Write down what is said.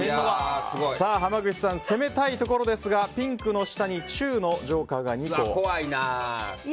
濱口さん、攻めたいところですがピンクの下に中のジョーカーが２個。